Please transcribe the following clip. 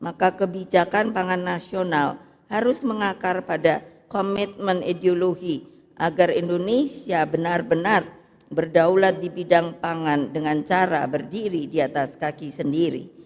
maka kebijakan pangan nasional harus mengakar pada komitmen ideologi agar indonesia benar benar berdaulat di bidang pangan dengan cara berdiri di atas kaki sendiri